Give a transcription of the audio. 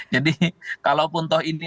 jadi kalaupun toh ini